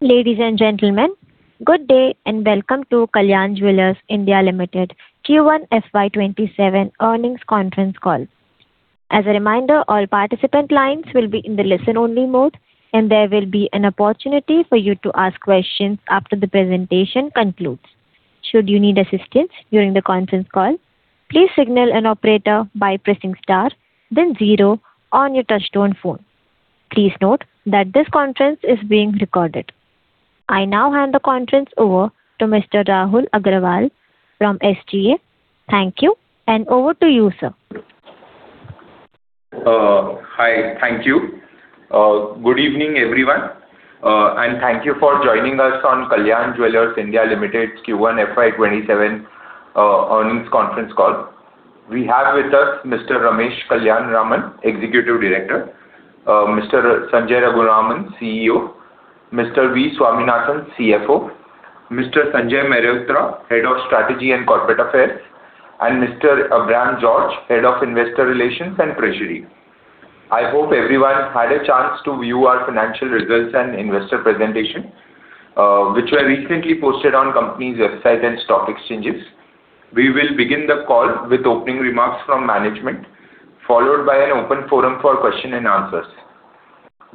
Ladies and gentlemen, good day, welcome to Kalyan Jewellers India Limited Q1 FY 2027 earnings conference call. As a reminder, all participant lines will be in the listen only mode, there will be an opportunity for you to ask questions after the presentation concludes. Should you need assistance during the conference call, please signal an operator by pressing star, then zero on your touchtone phone. Please note that this conference is being recorded. I now hand the conference over to Mr. Rahul Agrawal from SGA. Thank you, and over to you, sir. Hi. Thank you. Good evening, everyone, thank you for joining us on Kalyan Jewellers India Limited Q1 FY 2027 earnings conference call. We have with us Mr. Ramesh Kalyanaraman, Executive Director, Mr. Sanjay Raghuraman, CEO, Mr. V. Swaminathan, CFO, Mr. Sanjay Mehrotra, Head of Strategy and Corporate Affairs, Mr. Abraham George, Head of Investor Relations and Treasury. I hope everyone had a chance to view our financial results and investor presentation, which were recently posted on company's website and stock exchanges. We will begin the call with opening remarks from management, followed by an open forum for question and answers.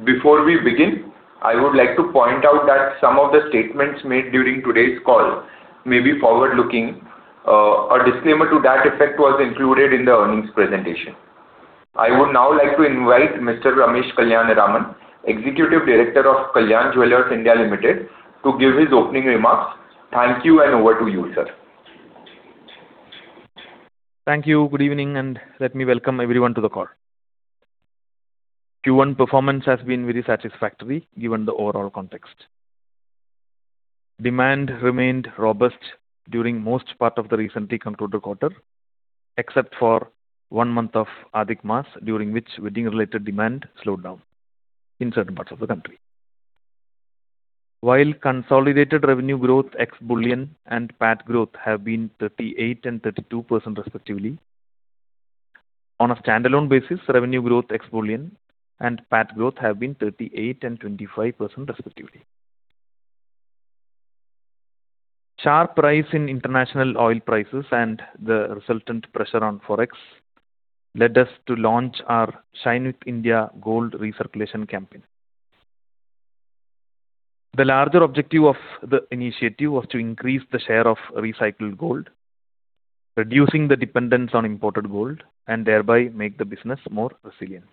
Before we begin, I would like to point out that some of the statements made during today's call may be forward-looking. A disclaimer to that effect was included in the earnings presentation. I would now like to invite Mr. Ramesh Kalyanaraman, Executive Director of Kalyan Jewellers India Limited, to give his opening remarks. Thank you, and over to you, sir. Thank you. Good evening, let me welcome everyone to the call. Q1 performance has been very satisfactory given the overall context. Demand remained robust during most part of the recently concluded quarter, except for one month of Adhik Maas during which wedding-related demand slowed down in certain parts of the country. While consolidated revenue growth ex bullion and PAT growth have been 38% and 32% respectively, on a standalone basis, revenue growth ex bullion and PAT growth have been 38% and 25% respectively. Sharp rise in international oil prices and the resultant pressure on Forex led us to launch our Shine with India gold recirculation campaign. The larger objective of the initiative was to increase the share of recycled gold, reducing the dependence on imported gold, thereby make the business more resilient.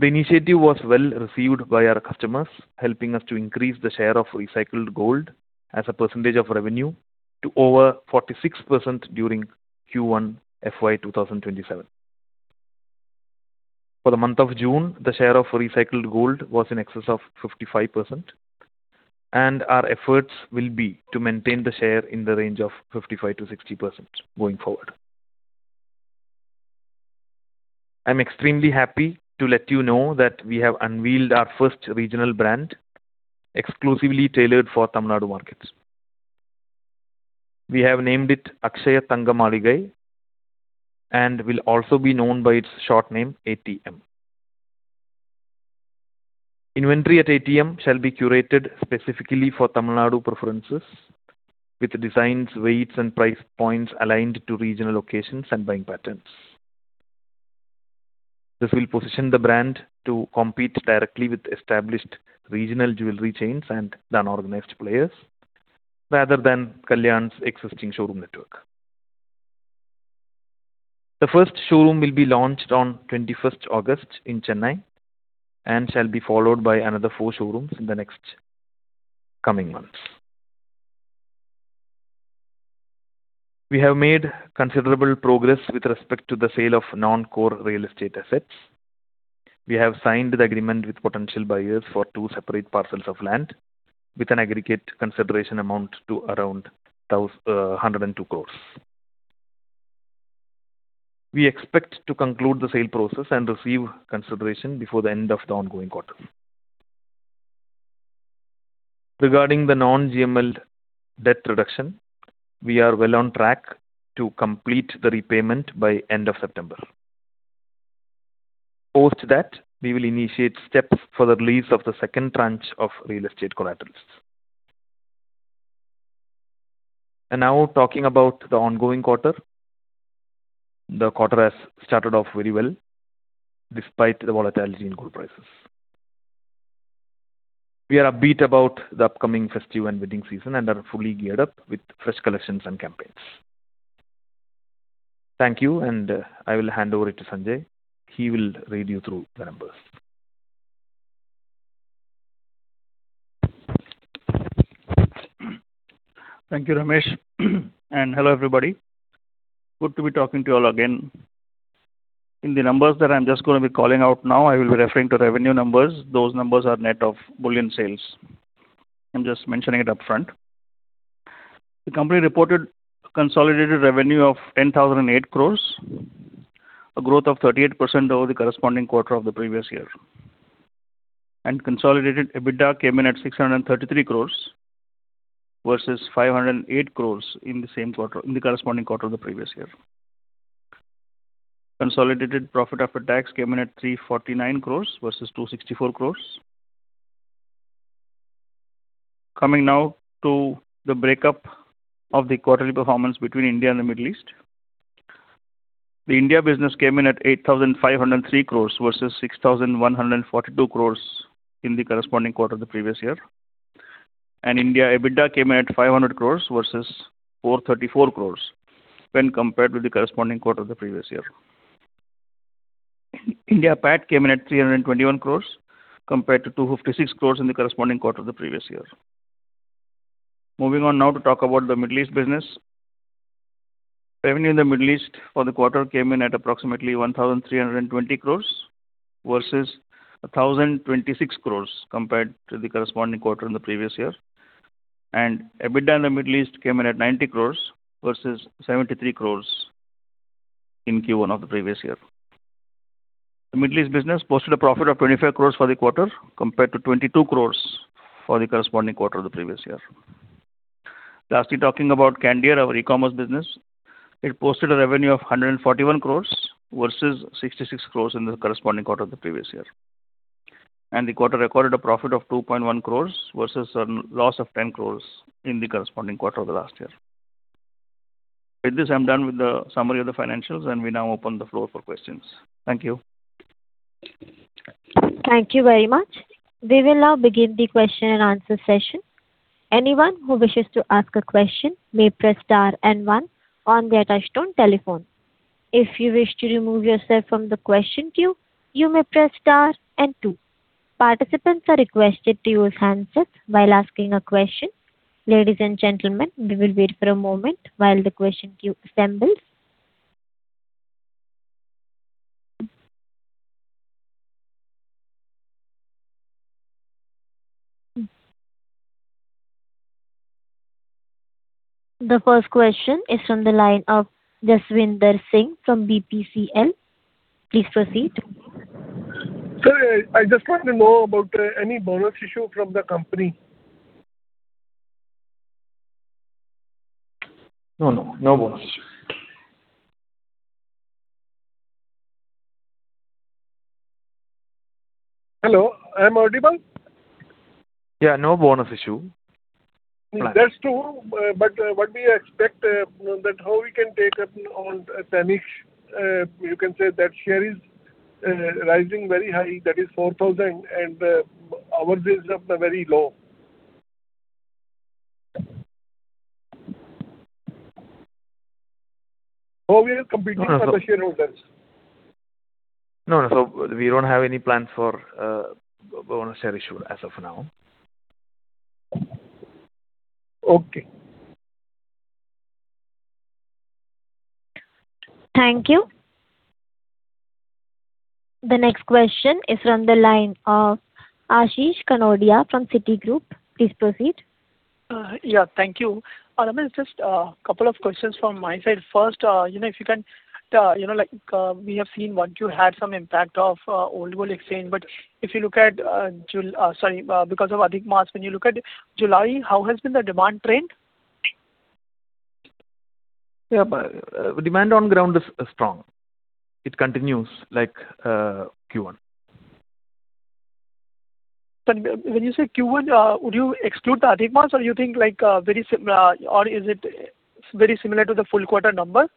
The initiative was well received by our customers, helping us to increase the share of recycled gold as a percentage of revenue to over 46% during Q1 FY 2027. For the month of June, the share of recycled gold was in excess of 55%, our efforts will be to maintain the share in the range of 55%-60% going forward. I'm extremely happy to let you know that we have unveiled our first regional brand, exclusively tailored for Tamil Nadu markets. We have named it Akshaya Thanga Maligai and will also be known by its short name, ATM. Inventory at ATM shall be curated specifically for Tamil Nadu preferences with designs, weights, and price points aligned to regional occasions and buying patterns. This will position the brand to compete directly with established regional jewelry chains and the unorganized players rather than Kalyan's existing showroom network. The first showroom will be launched on 21st August in Chennai and shall be followed by another four showrooms in the next coming months. We have made considerable progress with respect to the sale of non-core real estate assets. We have signed the agreement with potential buyers for two separate parcels of land with an aggregate consideration amount to around 102 crores. We expect to conclude the sale process and receive consideration before the end of the ongoing quarter. Regarding the non-GML debt reduction, we are well on track to complete the repayment by end of September. Post that, we will initiate steps for the release of the second tranche of real estate collaterals. Now talking about the ongoing quarter. The quarter has started off very well despite the volatility in gold prices. We are upbeat about the upcoming festive and wedding season and are fully geared up with fresh collections and campaigns. Thank you, I will hand over to Sanjay. He will read you through the numbers. Thank you, Ramesh. Hello, everybody. Good to be talking to you all again. In the numbers that I'm just going to be calling out now, I will be referring to revenue numbers. Those numbers are net of bullion sales. I'm just mentioning it up front. The company reported consolidated revenue of 10,008 crores, a growth of 38% over the corresponding quarter of the previous year. Consolidated EBITDA came in at 633 crores versus 508 crores in the corresponding quarter of the previous year. Consolidated profit after tax came in at 349 crores versus 264 crores. Coming now to the breakup of the quarterly performance between India and the Middle East. The India business came in at 8,503 crores versus 6,142 crores in the corresponding quarter of the previous year. India EBITDA came in at 500 crores versus 434 crores when compared with the corresponding quarter of the previous year. India PAT came in at 321 crores compared to 256 crores in the corresponding quarter of the previous year. Moving on now to talk about the Middle East business. Revenue in the Middle East for the quarter came in at approximately 1,320 crores versus 1,026 crores compared to the corresponding quarter in the previous year. EBITDA in the Middle East came in at 90 crores versus 73 crores in Q1 of the previous year. The Middle East business posted a profit of 25 crores for the quarter, compared to 22 crores for the corresponding quarter of the previous year. Lastly, talking about Candere, our e-commerce business, it posted a revenue of 141 crores versus 66 crores in the corresponding quarter of the previous year. The quarter recorded a profit of 2.1 crores versus a loss of 10 crores in the corresponding quarter of the last year. With this, I'm done with the summary of the financials, and we now open the floor for questions. Thank you. Thank you very much. We will now begin the question and answer session. Anyone who wishes to ask a question may press star and one on their touchtone telephone. If you wish to remove yourself from the question queue, you may press star and two. Participants are requested to use handsets while asking a question. Ladies and gentlemen, we will wait for a moment while the question queue assembles. The first question is from the line of Jaswinder Singh from BPCL. Please proceed. Sir, I just want to know about any bonus issue from the company. No. No bonus issue. Hello, I'm audible? Yeah, no bonus issue. That's true. What we expect, that how we can take up on Tanishq, you can say that share is rising very high, that is 4,000 and our base is very low. How we are competing. No. With the shareholders. No. We don't have any plans for bonus share issue as of now. Okay. Thank you. The next question is from the line of Ashish Kanodia from Citigroup. Please proceed. Yeah. Thank you. Ramesh, just a couple of questions from my side. First, we have seen 1Q had some impact of old gold exchange. If you look at, sorry, because of Adhik Maas, when you look at July, how has been the demand trend? Yeah. Demand on ground is strong. It continues like Q1. When you say Q1, would you exclude the Adhik Maas or you think like or is it very similar to the full quarter number?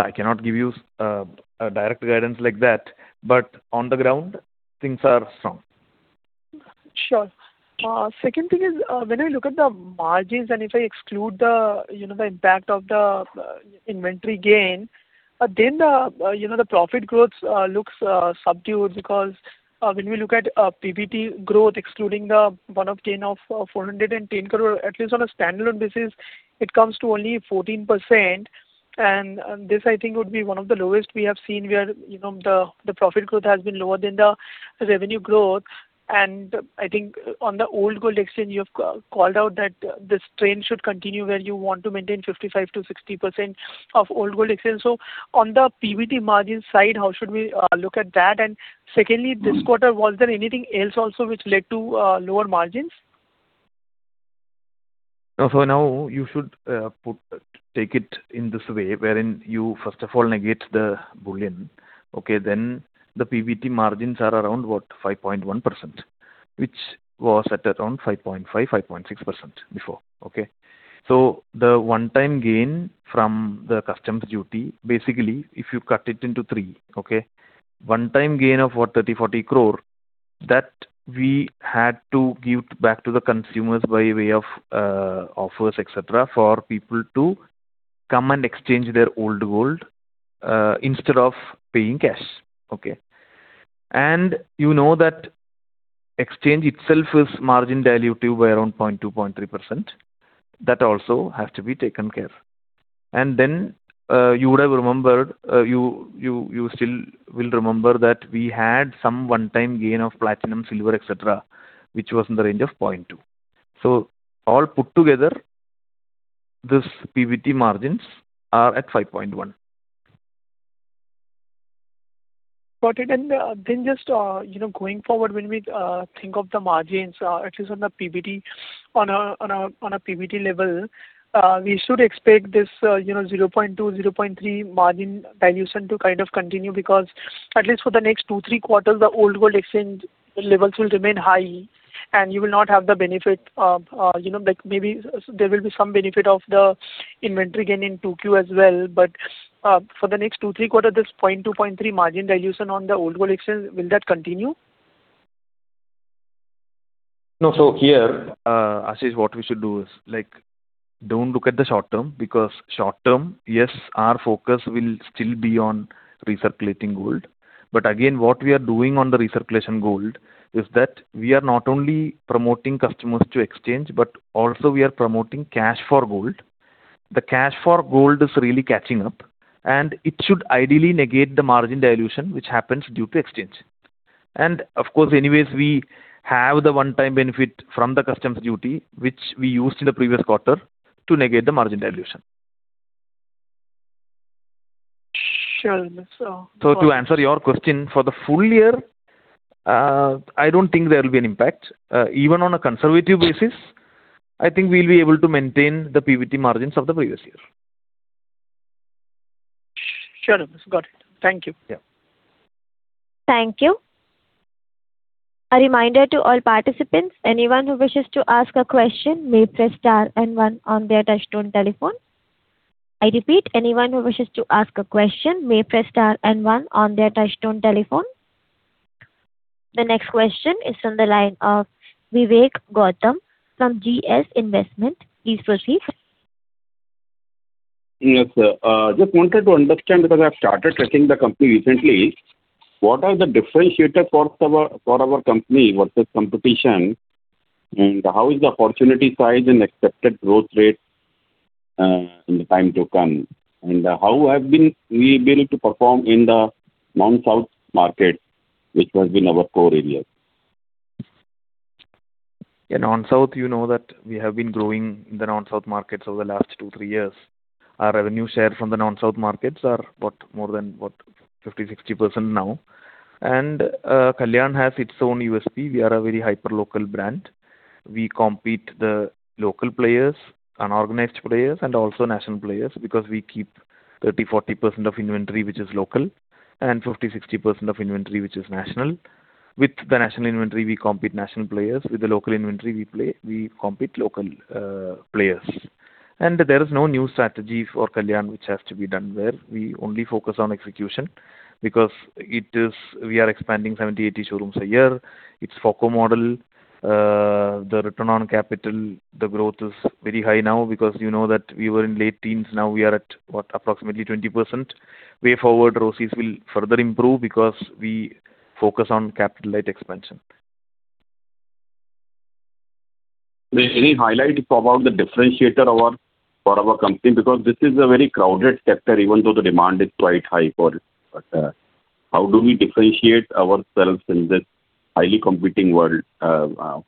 I cannot give you a direct guidance like that, but on the ground things are strong. Sure. Second thing is, when I look at the margins and if I exclude the impact of the inventory gain, then the profit growth looks subdued because when we look at PBT growth excluding the one-off gain of 410 crore at least on a standalone basis it comes to only 14%. This I think would be one of the lowest we have seen where the profit growth has been lower than the revenue growth and I think on the old gold exchange you have called out that this trend should continue where you want to maintain 55%-60% of old gold exchange. On the PBT margin side how should we look at that? Secondly this quarter was there anything else also which led to lower margins? Now you should take it in this way wherein you first of all negate the bullion. Okay. Then the PBT margins are around 5.1%, which was at around 5.5%, 5.6% before. Okay. The one time gain from the customs duty basically if you cut it into three, okay, one time gain of 30 crore-40 crore that we had to give back to the consumers by way of offers, et cetera, for people to come and exchange their old gold instead of paying cash. Okay. You know that exchange itself is margin dilutive by around 0.2%-0.3%. That also has to be taken care. Then you would have remembered, you still will remember that we had some one time gain of platinum, silver, et cetera, which was in the range of 0.2%. All put together, this PBT margins are at 5.1. Got it. Just going forward, when we think of the margins, at least on a PBT level, we should expect this 0.2%-0.3% margin dilution to kind of continue because at least for the next two-three quarters, the old gold exchange levels will remain high and you will not have the benefit of, maybe there will be some benefit of the inventory gain in 2Q as well. For the next two-three quarters, this 0.2%-0.3% margin dilution on the old gold exchange, will that continue? No. Here, Ashish, what we should do is don't look at the short term because short term, yes, our focus will still be on recirculating gold. Again, what we are doing on the recirculation gold is that we are not only promoting customers to exchange, but also we are promoting cash for gold. The cash for gold is really catching up and it should ideally negate the margin dilution which happens due to exchange. Of course, anyways, we have the one-time benefit from the customs duty which we used in the previous quarter to negate the margin dilution. Sure. To answer your question, for the full year, I don't think there will be an impact. Even on a conservative basis, I think we'll be able to maintain the PBT margins of the previous year. Sure. Got it. Thank you. Yeah. Thank you. A reminder to all participants, anyone who wishes to ask a question may press star and one on their touchtone telephone. I repeat, anyone who wishes to ask a question may press star and one on their touchtone telephone. The next question is from the line of Vivek Gautam from GS Investment. Please proceed. Yes, sir. Just wanted to understand because I have started tracking the company recently. What are the differentiators for our company versus competition, and how is the opportunity size and accepted growth rate in the time to come? How have we been able to perform in the non-South market, which has been our core area? In non-South, you know that we have been growing in the non-South markets over the last two, three years. Our revenue share from the non-South markets are more than 50%-60% now. Kalyan has its own USP. We are a very hyperlocal brand. We compete the local players, unorganized players, and also national players because we keep 30%-40% of inventory which is local and 50%-60% of inventory which is national. With the national inventory, we compete national players. With the local inventory, we compete local players. There is no new strategy for Kalyan which has to be done there. We only focus on execution because we are expanding 70 to 80 showrooms a year. It is FOCO model. The return on capital, the growth is very high now because you know that we were in late teens, now we are at approximately 20%. Way forward, ROCEs will further improve because we focus on capital light expansion. Any highlight about the differentiator for our company because this is a very crowded sector even though the demand is quite high for it. How do we differentiate ourselves in this highly competing world? I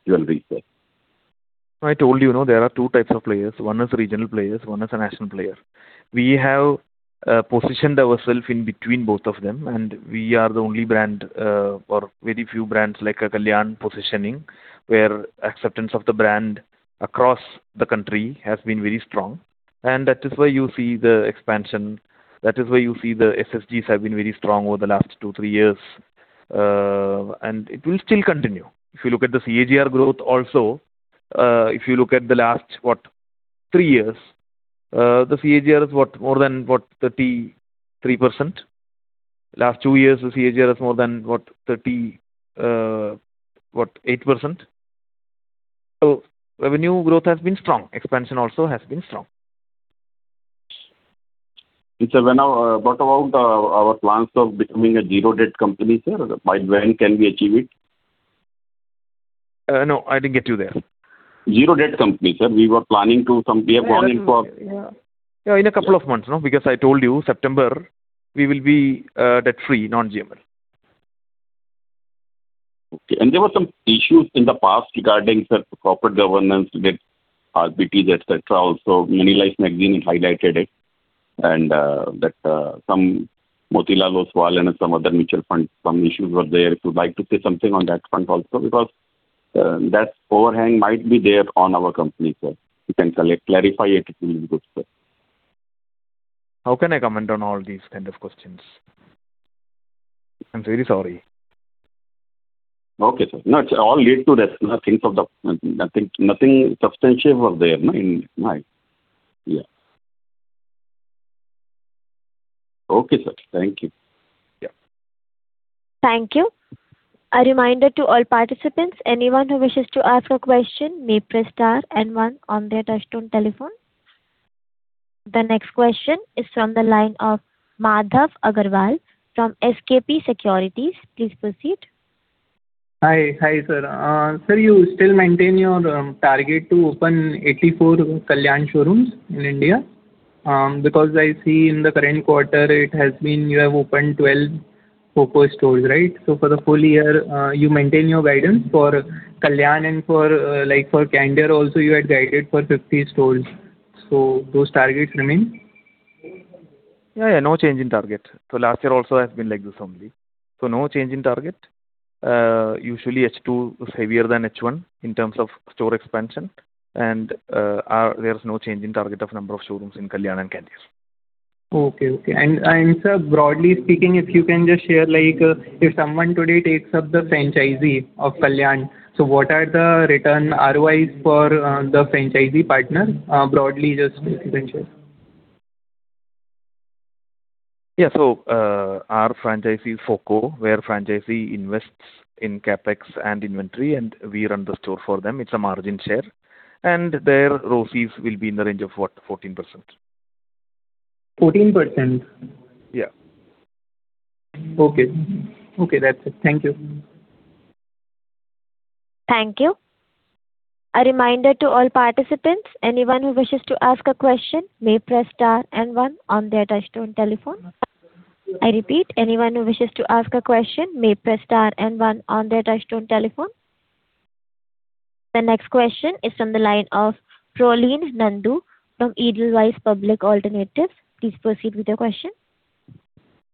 told you, there are two types of players. One is regional players, one is a national player. We have positioned ourselves in between both of them and we are the only brand, or very few brands like Kalyan positioning, where acceptance of the brand across the country has been very strong. That is why you see the expansion, that is why you see the SSSGs have been very strong over the last two, three years. It will still continue. If you look at the CAGR growth also, if you look at the last three years, the CAGR is more than 33%. Last two years, the CAGR is more than 38%. Revenue growth has been strong. Expansion also has been strong. Sir, what about our plans of becoming a zero-debt company, sir? By when can we achieve it? No, I didn't get you there. Zero-debt company, sir. In a couple of months. I told you September we will be debt-free, non-GML. Okay. There were some issues in the past regarding proper governance with RPTs, et cetera. Also, Moneylife Magazine highlighted it and that some Motilal Oswal and some other mutual funds, some issues were there. If you would like to say something on that front also because that overhang might be there on our company, sir. If you can clarify it will be good, sir. How can I comment on all these kind of questions? I'm very sorry. Okay, sir. No, it all led to that. Nothing substantive was there. Yeah. Okay, sir. Thank you. Yeah. Thank you. A reminder to all participants, anyone who wishes to ask a question may press star one on their touchtone telephone. The next question is from the line of Madhav Agarwal from SKP Securities. Please proceed. Hi, sir. Sir, you still maintain your target to open 84 Kalyan showrooms in India? I see in the current quarter you have opened 12 FOCO stores, right? For the full year, you maintain your guidance for Kalyan and for Candere also you had guided for 50 stores. those targets remain. No change in target. No change in target. Last year also has been like this only. No change in target. Usually H2 is heavier than H1 in terms of store expansion and there is no change in target of number of showrooms in Kalyan and Kanchis. Okay. Sir, broadly speaking, if you can just share, if someone today takes up the franchise of Kalyan, what are the return ROIs for the franchise partner? Broadly, just if you can share. Yeah. Our franchise is FOCO, where franchisee invests in CapEx and inventory, and we run the store for them. It's a margin share. Their ROEs will be in the range of what? 14%. 14%? Yeah. Okay. That's it. Thank you. Thank you. A reminder to all participants, anyone who wishes to ask a question may press star and one on their touchtone telephone. I repeat, anyone who wishes to ask a question may press star and one on their touchtone telephone. The next question is from the line of Prolin Nandu from Edelweiss Public Alternatives. Please proceed with your question.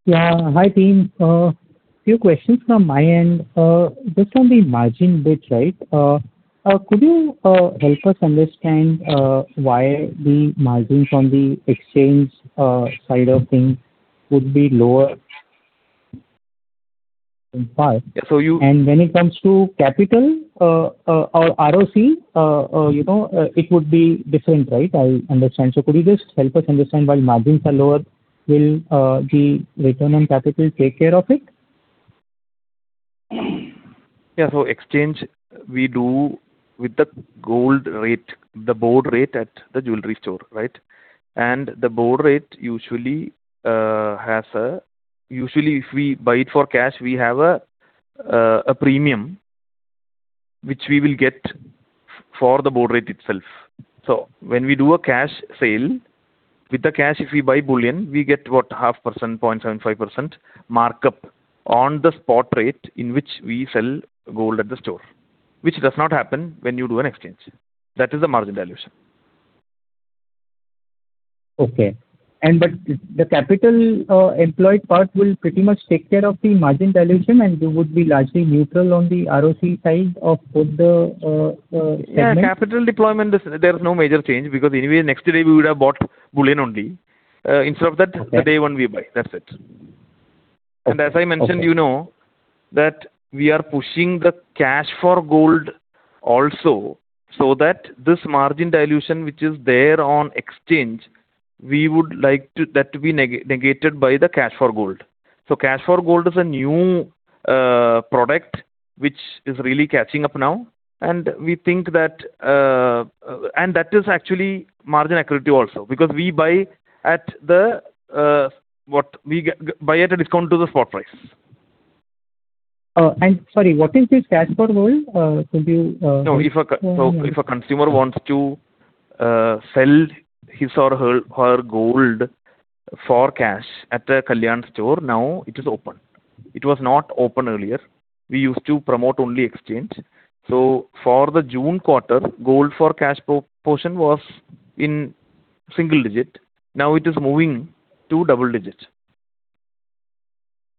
Yeah. Hi, team. A few questions from my end. Just on the margin bit. Could you help us understand why the margins on the exchange side of things would be lower in part? So you- When it comes to capital or ROC, it would be different, right? I understand. Could you just help us understand why margins are lower? Will the return on capital take care of it? Yeah. Exchange, we do with the gold rate, the board rate at the jewelry store. The board rate, usually, if we buy it for cash, we have a premium, which we will get for the board rate itself. When we do a cash sale, with the cash if we buy bullion, we get what? 0.5%, 0.75% markup on the spot rate in which we sell gold at the store, which does not happen when you do an exchange. That is the margin dilution. Okay. The capital employed part will pretty much take care of the margin dilution, and it would be largely neutral on the ROC side of both the segment. Yeah. Capital deployment, there's no major change because anyway next day we would have bought bullion only. Instead of that- Okay the day one we buy. That's it. As I mentioned- Okay that we are pushing the cash for gold also, so that this margin dilution which is there on exchange, we would like that to be negated by the cash for gold. Cash for gold is a new product which is really catching up now. That is actually margin accretive also because we buy at a discount to the spot price. Sorry, what is this cash for gold? Could you- If a consumer wants to sell his or her gold for cash at a Kalyan store, now it is open. It was not open earlier. We used to promote only exchange. For the June quarter, gold for cash proportion was in single digit. Now it is moving to double digit.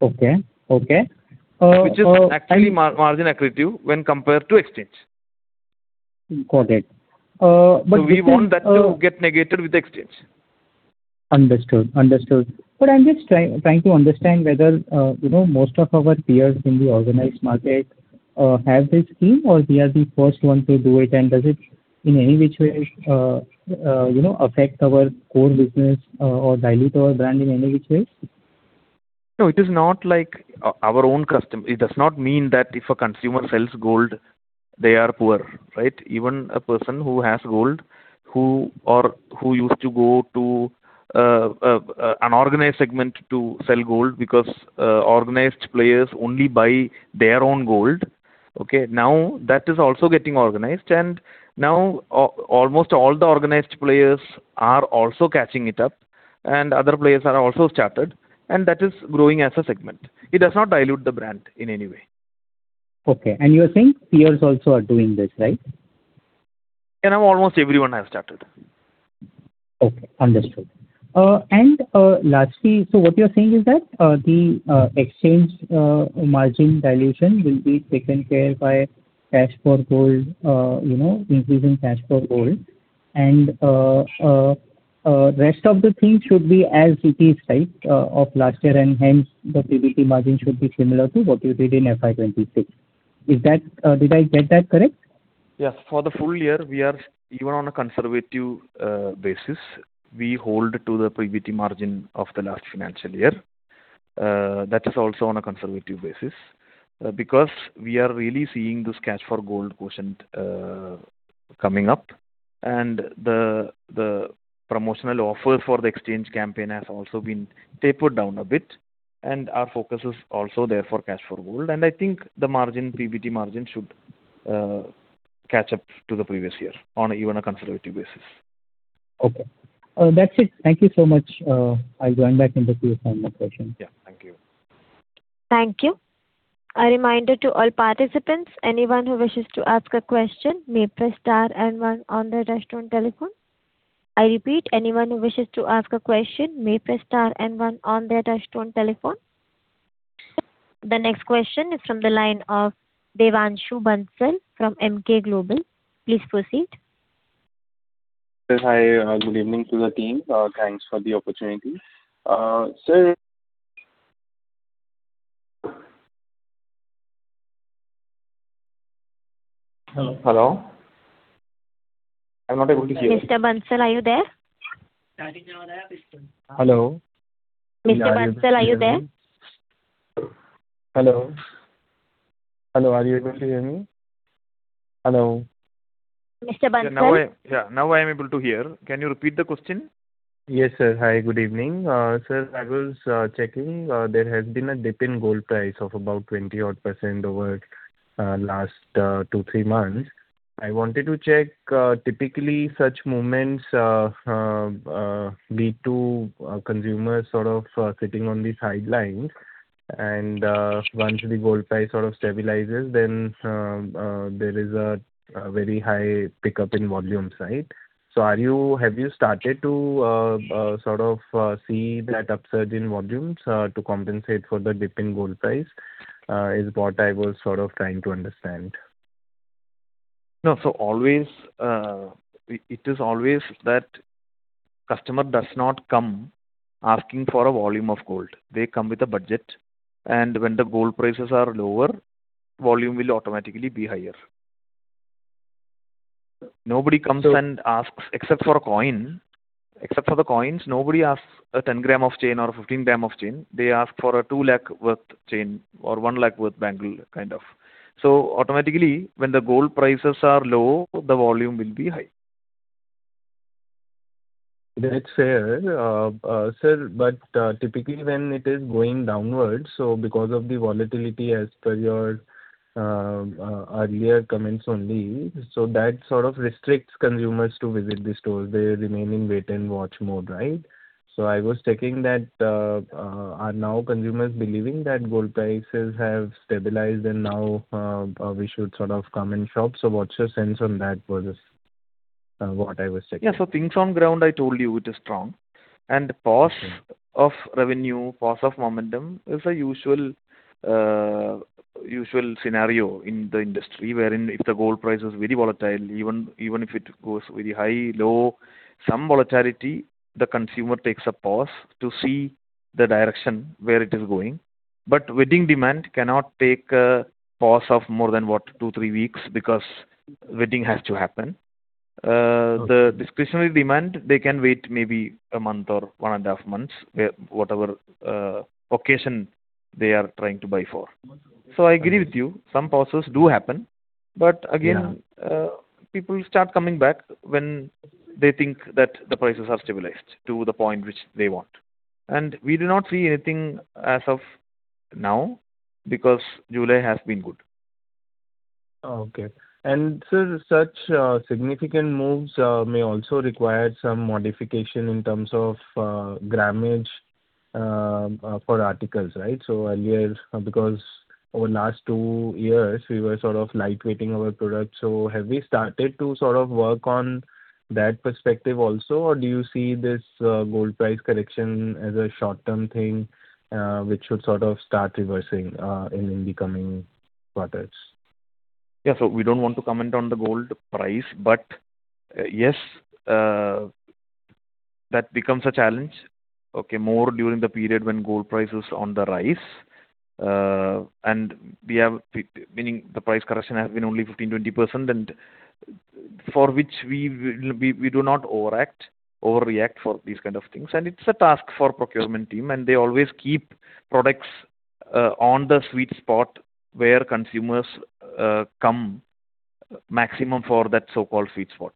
Okay. Which is actually margin accretive when compared to exchange. Got it. We want that to get negated with exchange. Understood. I'm just trying to understand whether most of our peers in the organized market have this scheme or we are the first one to do it, and does it in any which way affect our core business or dilute our brand in any which ways? No, it does not like our own customer. It does not mean that if a consumer sells gold, they are poor. Even a person who has gold, or who used to go to an organized segment to sell gold because organized players only buy their own gold. Now that is also getting organized, and now almost all the organized players are also catching it up, and other players are also started, and that is growing as a segment. It does not dilute the brand in any way. You are saying peers also are doing this, right? Now almost everyone has started. Okay, understood. Lastly, what you're saying is that, the exchange margin dilution will be taken care by cash for gold, increasing cash for gold, and rest of the things should be as it is of last year, and hence the PBT margin should be similar to what you did in FY 2026. Did I get that correct? Yes. For the full year, even on a conservative basis, we hold to the PBT margin of the last financial year. That is also on a conservative basis because we are really seeing this cash for gold quotient coming up, and the promotional offer for the exchange campaign has also been tapered down a bit, and our focus is also there for cash for gold, and I think the PBT margin should catch up to the previous year on even a conservative basis. Okay. That's it. Thank you so much. I'll join back in the queue for my next question. Yeah. Thank you. Thank you. A reminder to all participants, anyone who wishes to ask a question may press star and one on their touch-tone telephone. I repeat, anyone who wishes to ask a question may press star and one on their touch-tone telephone. The next question is from the line of Devanshu Bansal from Emkay Global. Please proceed. Yes, hi. Good evening to the team. Thanks for the opportunity. Hello? Hello. Mr. Bansal, are you there? Hello? Mr. Bansal, are you there? Hello. Are you able to hear me? Hello. Mr. Bansal? Yeah. Now I am able to hear. Can you repeat the question? Yes, sir. Hi, good evening. Sir, I was checking, there has been a dip in gold price of about 20-odd% over last two, three months. I wanted to check, typically such movements lead to consumers sort of sitting on the sidelines and once the gold price sort of stabilizes, then there is a very high pickup in volume side. Have you started to sort of see that upsurge in volumes to compensate for the dip in gold price? Is what I was sort of trying to understand. No, it is always that customer does not come asking for a volume of gold. They come with a budget, and when the gold prices are lower, volume will automatically be higher. Except for the coins, nobody asks a 10 g of chain or a 15 g of chain. They ask for an 2 lakh worth chain or 1 lakh worth bangle, kind of. Automatically, when the gold prices are low, the volume will be high. That's fair. Sir, typically when it is going downwards, because of the volatility as per your earlier comments only, that sort of restricts consumers to visit the stores. They remain in wait and watch mode, right? I was checking that, are now consumers believing that gold prices have stabilized and now we should sort of come and shop? What's your sense on that was what I was checking? Yeah, things on ground, I told you it is strong. Pause of revenue, pause of momentum is a usual scenario in the industry wherein if the gold price is very volatile, even if it goes very high, low, some volatility, the consumer takes a pause to see the direction where it is going. Wedding demand cannot take a pause of more than what, two, three weeks, because wedding has to happen. The discretionary demand, they can wait maybe a month or one and a half months, whatever occasion they are trying to buy for. I agree with you, some pauses do happen. Again. Yeah People start coming back when they think that the prices are stabilized to the point which they want. We do not see anything as of now because July has been good. Okay. Sir, such significant moves may also require some modification in terms of grammage for articles, right? Earlier, because over last two years we were sort of lightweighting our product, have we started to sort of work on that perspective also? Do you see this gold price correction as a short-term thing, which should sort of start reversing in the coming quarters? Yeah. We don't want to comment on the gold price. Yes, that becomes a challenge, okay, more during the period when gold price is on the rise. The price correction has been only 15%-20%, for which we do not overreact for these kind of things, it's a task for procurement team, they always keep products on the sweet spot where consumers come maximum for that so-called sweet spot.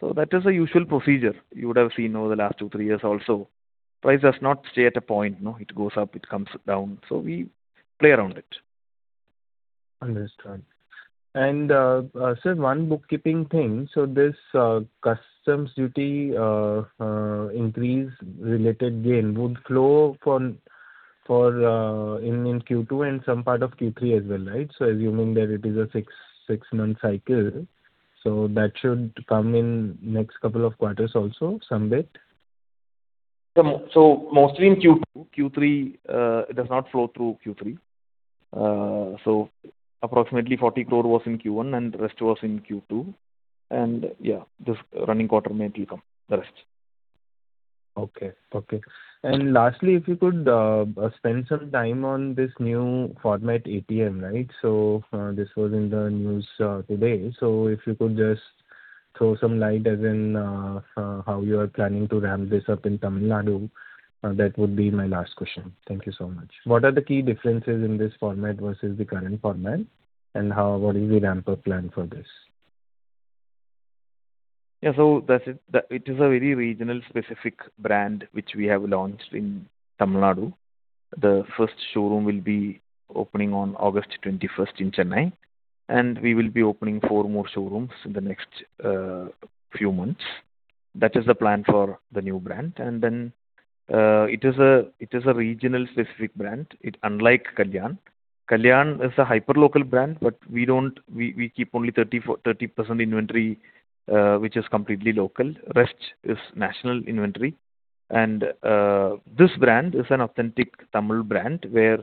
That is a usual procedure. You would have seen over the last two, three years also. Price does not stay at a point. It goes up, it comes down, we play around it. Understood. Sir, one bookkeeping thing. This customs duty increase related gain would flow in Q2 and some part of Q3 as well, right? Assuming that it is a six-month cycle, that should come in next couple of quarters also, some bit. Mostly in Q2. It does not flow through Q3. Approximately 40 crore was in Q1 and rest was in Q2, yeah, this running quarter may it will come, the rest. Lastly, if you could spend some time on this new format, ATM, right? This was in the news today. If you could just throw some light as in how you are planning to ramp this up in Tamil Nadu. That would be my last question. Thank you so much. What are the key differences in this format versus the current format, and what is the ramp-up plan for this? Yeah. It is a very regional specific brand which we have launched in Tamil Nadu. The first showroom will be opening on August 21st in Chennai. We will be opening four more showrooms in the next few months. That is the plan for the new brand. It is a regional specific brand, unlike Kalyan. Kalyan is a hyper local brand, but we keep only 30% inventory which is completely local. Rest is national inventory. This brand is an authentic Tamil brand where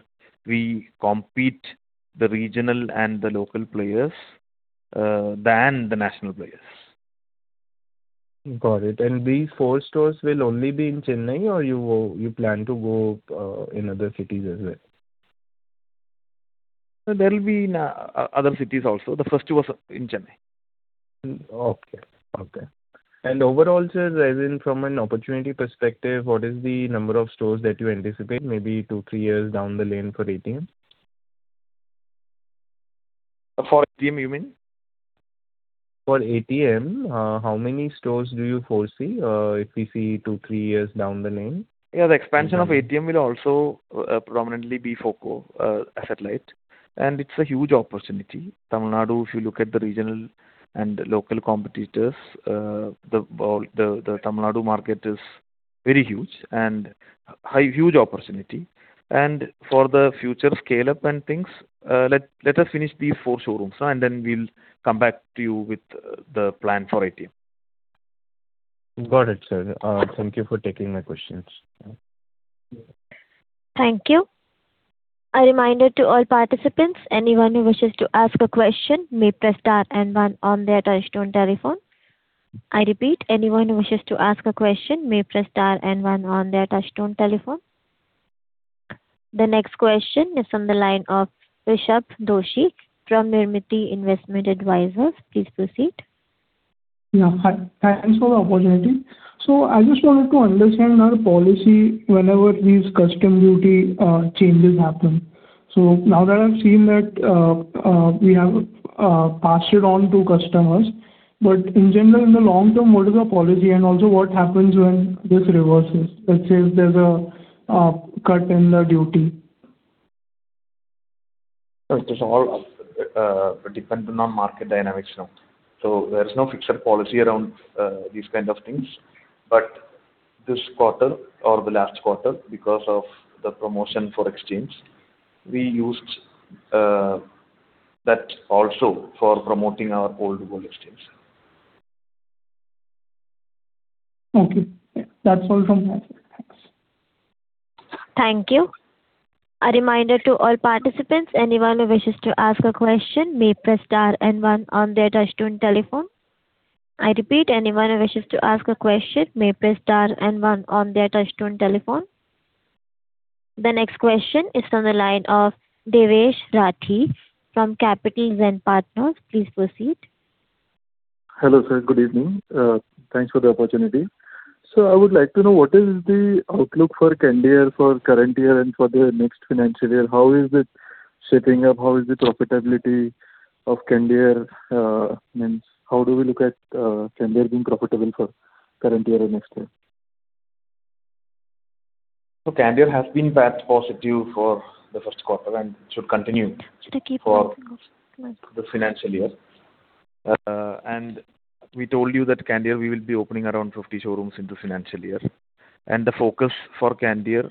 we compete the regional and the local players than the national players. Got it. These four stores will only be in Chennai or you plan to go in other cities as well? There will be in other cities also. The first two are in Chennai. Okay. Overall, sir, as in from an opportunity perspective, what is the number of stores that you anticipate maybe two, three years down the lane for ATM? For ATM, you mean? For ATM, how many stores do you foresee if we see two, three years down the lane? Yeah. The expansion of ATM will also predominantly be focused asset-light, and it's a huge opportunity. Tamil Nadu, if you look at the regional and local competitors, the Tamil Nadu market is very huge and huge opportunity. For the future scale-up and things, let us finish these four showrooms, and then we'll come back to you with the plan for ATM. Got it, sir. Thank you for taking my questions. Thank you. A reminder to all participants, anyone who wishes to ask a question may press star and one on their touchtone telephone. I repeat, anyone who wishes to ask a question may press star and one on their touchtone telephone. The next question is from the line of Rushabh Doshi from Nirmiti Investment Advisors. Please proceed. Yeah, hi. Thanks for the opportunity. I just wanted to understand your policy whenever these custom duty changes happen. Now that I've seen that we have passed it on to customers, in general, in the long term, what is your policy and also what happens when this reverses? Let's say if there's a cut in the duty. It all depends on market dynamics now. There's no fixed policy around these kind of things. This quarter or the last quarter, because of the promotion for exchange, we used that also for promoting our old gold exchange. Okay. That's all from my side. Thanks. Thank you. A reminder to all participants, anyone who wishes to ask a question may press star and one on their touchtone telephone. I repeat, anyone who wishes to ask a question may press star and one on their touchtone telephone. The next question is from the line of Devesh Rathi from Capital Partners. Please proceed. Hello, sir. Good evening. Thanks for the opportunity. I would like to know what is the outlook for Candere for current year and for the next financial year? How is it shaping up? How is the profitability of Candere? How do we look at Candere being profitable for current year or next year? Candere has been PAT positive for the first quarter and should continue. Should I keep talking or no. for the financial year. We told you that Candere, we will be opening around 50 showrooms in this financial year. The focus for Candere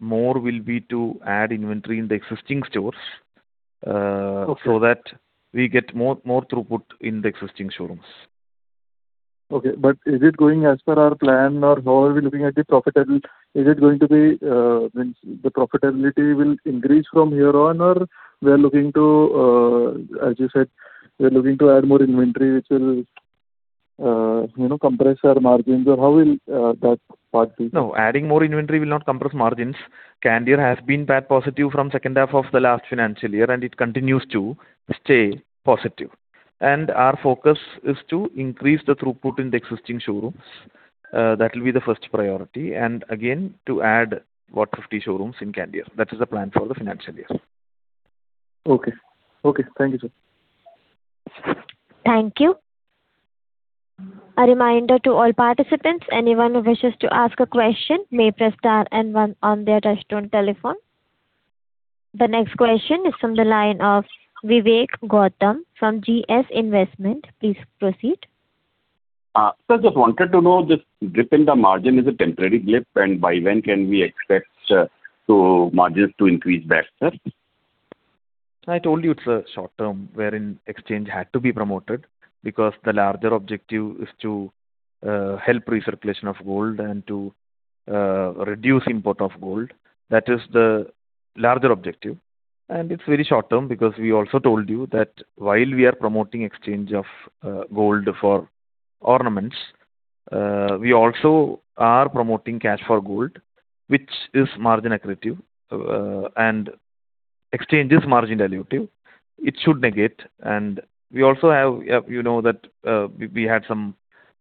more will be to add inventory in the existing stores. Okay that we get more throughput in the existing showrooms. Okay. Is it going as per our plan or how are we looking at the profitability? Is it going to be the profitability will increase from here on, or as you said, we're looking to add more inventory, which will compress our margins, or how will that part be? No, adding more inventory will not compress margins. Candere has been PAT positive from second half of the last financial year, and it continues to stay positive. Our focus is to increase the throughput in the existing showrooms. That will be the first priority. Again, to add about 50 showrooms in Candere. That is the plan for the financial year. Okay. Thank you, sir. Thank you. A reminder to all participants, anyone who wishes to ask a question may press star and one on their touchtone telephone. The next question is from the line of Vivek Gautam from GS Investment. Please proceed. Sir, just wanted to know this dip in the margin is a temporary blip, and by when can we expect margins to increase back, sir? I told you it's short term, wherein exchange had to be promoted because the larger objective is to help recirculation of gold and to reduce import of gold. That is the larger objective. It's very short term because we also told you that while we are promoting exchange of gold for ornaments, we also are promoting cash for gold, which is margin accretive, and exchange is margin dilutive. It should negate. We also have, you know that we had some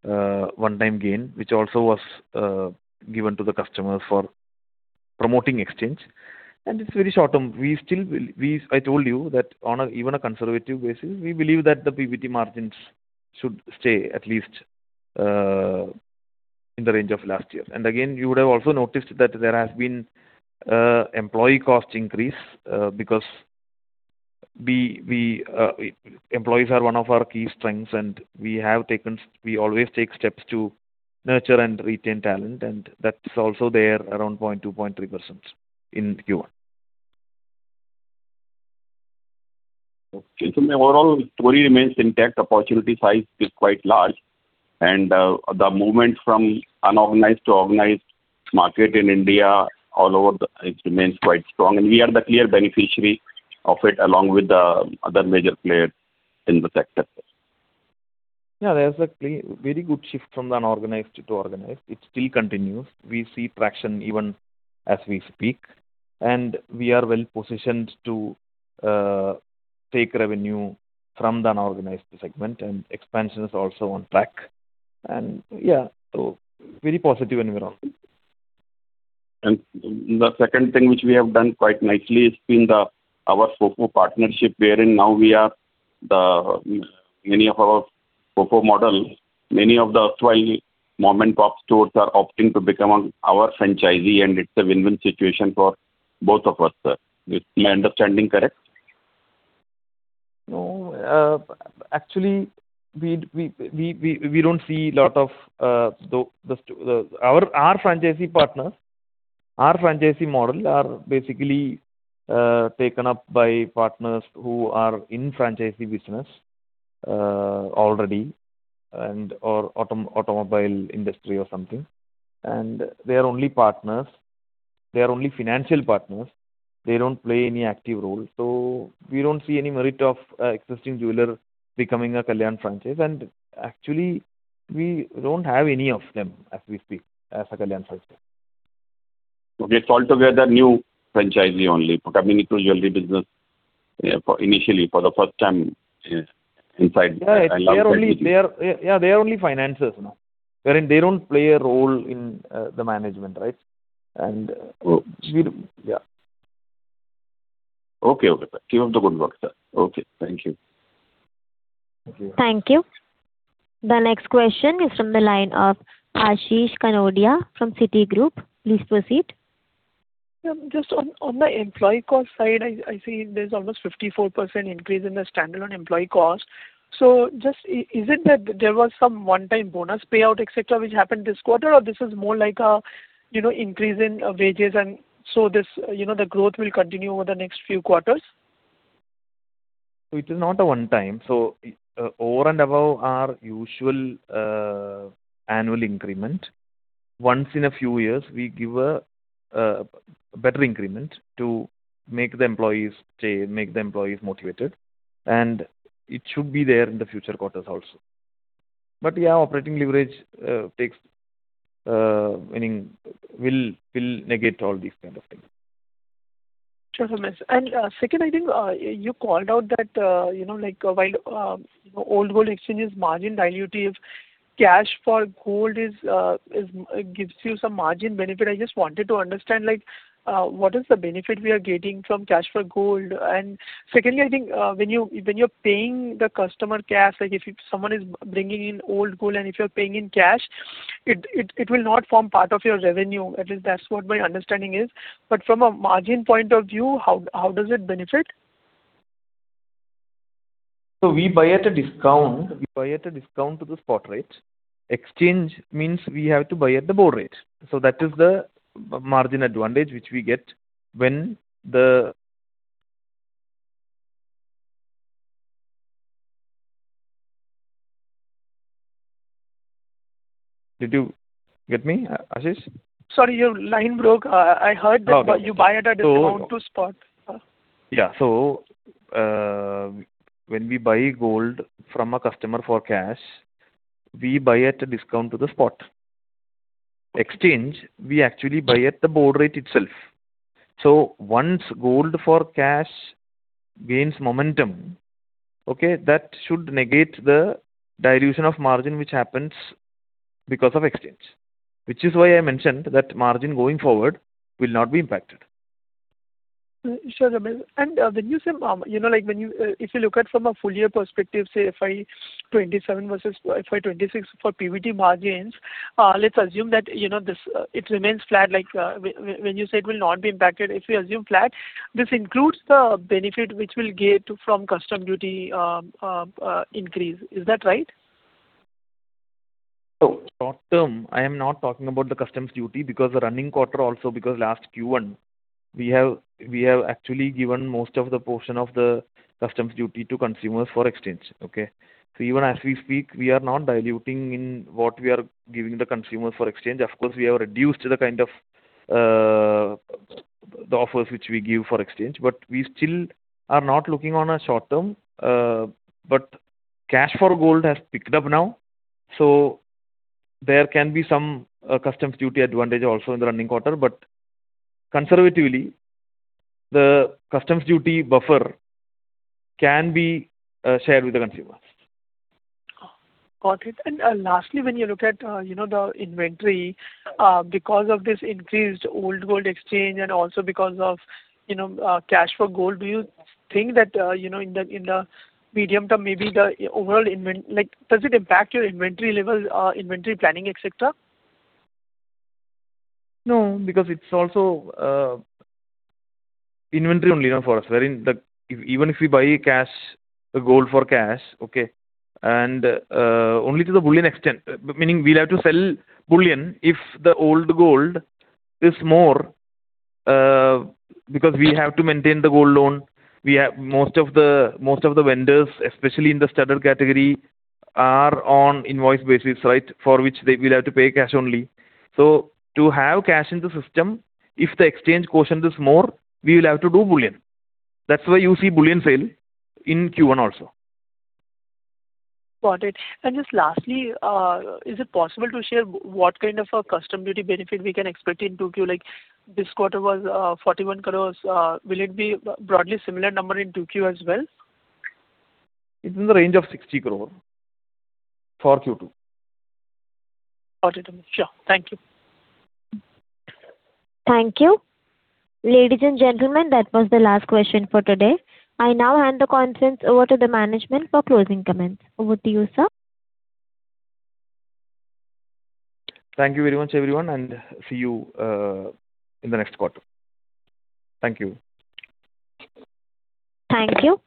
one-time gain, which also was given to the customers for promoting exchange, and it's very short term. I told you that on even a conservative basis, we believe that the PBT margins should stay at least in the range of last year. Again, you would have also noticed that there has been employee cost increase because employees are one of our key strengths, and we always take steps to nurture and retain talent. That is also there around 2.3% in Q1. My overall story remains intact. Opportunity size is quite large. The movement from unorganized to organized market in India all over, it remains quite strong, and we are the clear beneficiary of it, along with the other major players in the sector. There's a very good shift from the unorganized to organized. It still continues. We see traction even as we speak. We are well-positioned to take revenue from the unorganized segment. Expansion is also on track. Very positive environment. the second thing which we have done quite nicely is in our FOCO partnership, wherein now many of our FOCO model, many of the erstwhile mom-and-pop stores are opting to become our franchisee, and it's a win-win situation for both of us, sir. Is my understanding correct? No. Actually, our franchisee model are basically taken up by partners who are in franchisee business already, or automobile industry or something. They are only partners. They are only financial partners. They don't play any active role. We don't see any merit of existing jeweler becoming a Kalyan franchise. Actually, we don't have any of them as we speak as a Kalyan franchise. Okay. It's altogether new franchisee only, coming into jewelry business initially for the first time inside- Yeah. They are only financers now, wherein they don't play a role in the management, right? Oh. Yeah. Okay, sir. Keep up the good work, sir. Okay. Thank you. Thank you. The next question is from the line of Ashish Kanodia from Citigroup. Please proceed. Ma'am, just on the employee cost side, I see there's almost 54% increase in the standalone employee cost. Is it that there was some one-time bonus payout, et cetera, which happened this quarter, or this is more like a increase in wages, the growth will continue over the next few quarters? It is not a one time. Over and above our usual annual increment, once in a few years, we give a better increment to make the employees motivated, it should be there in the future quarters also. Yeah, operating leverage will negate all these kind of things. Sure, ma'am. Second, I think you called out that while old gold exchange is margin dilutive, cash for gold gives you some margin benefit. I just wanted to understand, what is the benefit we are getting from cash for gold? Secondly, I think, when you're paying the customer cash, like if someone is bringing in old gold and if you're paying in cash, it will not form part of your revenue. At least that's what my understanding is. From a margin point of view, how does it benefit? We buy at a discount to the spot rate. Exchange means we have to buy at the board rate. That is the margin advantage which we get when the Did you get me, Ashish? Sorry, your line broke. I heard that. No. You buy at a discount to spot. When we buy gold from a customer for cash, we buy at a discount to the spot. Exchange, we actually buy at the board rate itself. Once gold for cash gains momentum, okay, that should negate the dilution of margin which happens because of exchange. Which is why I mentioned that margin going forward will not be impacted. Sure, ma'am. When you say, if you look at from a full year perspective, say FY 2027 versus FY 2026 for PBT margins, let's assume that it remains flat. When you say it will not be impacted, if we assume flat, this includes the benefit which we'll get from custom duty increase. Is that right? Short term, I am not talking about the customs duty because the running quarter also because last Q1, we have actually given most of the portion of the customs duty to consumers for exchange. Okay? Even as we speak, we are not diluting in what we are giving the consumers for exchange. Of course, we have reduced the kind of offers which we give for exchange, but we still are not looking on a short term. Cash for gold has picked up now, so there can be some customs duty advantage also in the running quarter. Conservatively, the customs duty buffer can be shared with the consumer. Got it. Lastly, when you look at the inventory, because of this increased old gold exchange and also because of cash for gold, do you think that in the medium term, maybe the overall inventory, does it impact your inventory level, inventory planning, et cetera? No, because it's also inventory only now for us. Wherein even if we buy gold for cash, okay, only to the bullion extent, meaning we'll have to sell bullion if the old gold is more, because we have to maintain the gold loan. Most of the vendors, especially in the studded category, are on invoice basis, right? For which we'll have to pay cash only. To have cash in the system, if the exchange quotient is more, we will have to do bullion. That's why you see bullion sale in Q1 also. Got it. Just lastly, is it possible to share what kind of a custom duty benefit we can expect in 2Q? This quarter was 41 crores. Will it be broadly similar number in 2Q as well? It's in the range of 60 crore for Q2. Got it, ma'am. Sure. Thank you. Thank you. Ladies and gentlemen, that was the last question for today. I now hand the conference over to the management for closing comments. Over to you, sir. Thank you very much, everyone, and see you in the next quarter. Thank you. Thank you.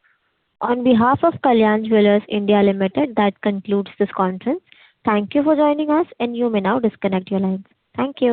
On behalf of Kalyan Jewellers India Limited, that concludes this conference. Thank you for joining us, and you may now disconnect your lines. Thank you.